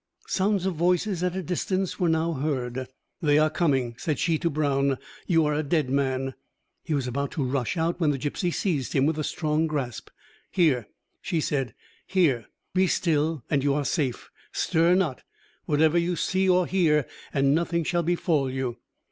Sounds of voices at a distance were now heard. "They are coming," said she to Brown; "you are a dead man." He was about to rush out, when the gipsy seized him with a strong grasp. "Here," she said, "here, be still, and you are safe; stir not, whatever you see or hear, and nothing shall befall you!"